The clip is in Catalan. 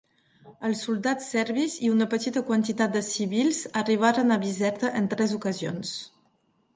Els soldats serbis, i una petita quantitat de civils, arribaren a Bizerta en tres ocasions.